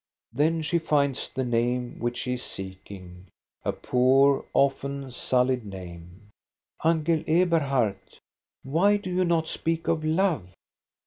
Then she finds the name which she is seeking, — a poor, often sullied name. " Uncle Eberhard, why do you not speak of love?